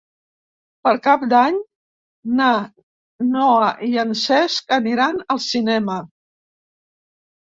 Per Cap d'Any na Noa i en Cesc aniran al cinema.